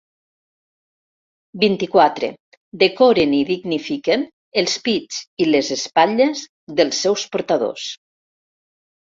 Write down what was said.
Vint-i-quatre decoren i dignifiquen els pits i les espatlles dels seus portadors.